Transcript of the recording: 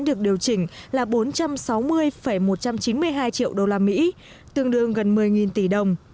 điều chỉnh là bốn trăm sáu mươi một trăm chín mươi hai triệu đô la mỹ tương đương gần một mươi tỷ đồng